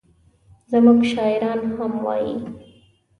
زموږ شاعران هم وایي.